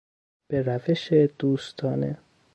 به روش دوستانه